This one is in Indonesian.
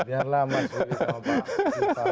biarlah mas wulid sama pak